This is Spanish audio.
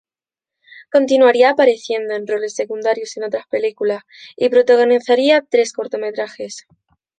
Continuaría apareciendo en roles secundarios en otras películas, y protagonizaría tres cortometrajes.